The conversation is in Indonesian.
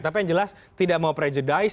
tapi yang jelas tidak mau prejudise